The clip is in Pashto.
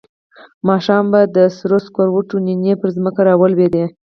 ماښام به د سرو سکروټو نینې پر ځمکه را لوېدې.